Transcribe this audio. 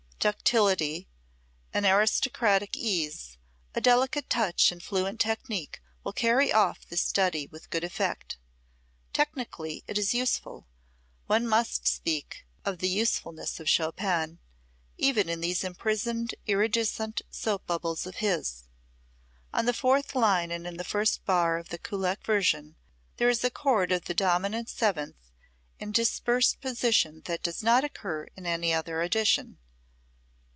Ductility, an aristocratic ease, a delicate touch and fluent technique will carry off this study with good effect. Technically it is useful; one must speak of the usefulness of Chopin, even in these imprisoned, iridescent soap bubbles of his. On the fourth line and in the first bar of the Kullak version, there is a chord of the dominant seventh in dispersed position that does not occur in any other edition.